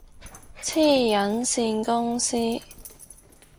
黐撚線公司